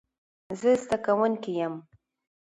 زه زده کوونکی یم